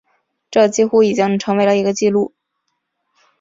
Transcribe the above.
这几乎已经成为了一个记录。